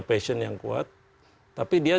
passion yang kuat tapi dia